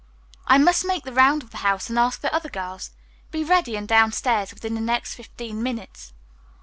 "I must make the round of the house and ask the other girls. Be ready and downstairs, within the next fifteen minutes."